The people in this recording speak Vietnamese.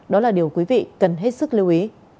đó là điều quý vị cần hết sức lưu ý